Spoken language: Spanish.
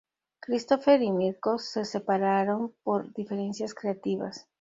Christopher y Mirko se separaron por diferencias creativas.